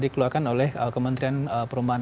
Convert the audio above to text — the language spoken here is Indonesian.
dikeluarkan oleh kementerian perumahan